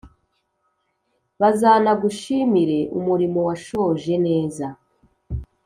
bazanagushimire umurimo washoje neza.